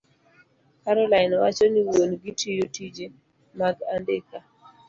Caroline wacho ni wuon-gi tiyo tije mag andika,